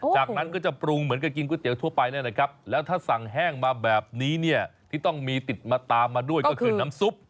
จากนั้นก็จะปรุงเหมือนกับกินก๋วเตี๋ทั่วไปนั่นแหละครับแล้วถ้าสั่งแห้งมาแบบนี้เนี่ยที่ต้องมีติดมาตามมาด้วยก็คือน้ำซุป